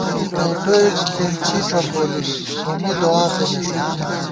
نېٹوئےݪېنچی ڄوکولُوس ، سومّی دعا پېمېݭوت